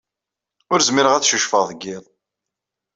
Ur zmireɣ ad ccucfeɣ deg yiḍ.